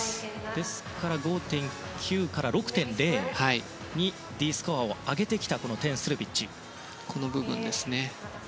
ですから５．９から６．０に、Ｄスコアを上げてきたテン・スルビッチ。